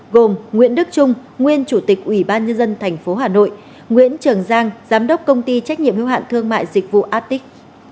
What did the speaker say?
gồm nguyễn đức trung nguyên chủ tịch ủy ban nhân dân tp hà nội nguyễn trường giang giám đốc công ty trách nhiệm hưu hạn thương mại dịch vụ atic